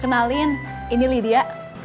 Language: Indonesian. kenalin ini lydia